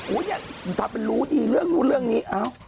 โอ้ยอย่าปรับเป็นรู้ดีเรื่องนู้นเรื่องนี้เอ้า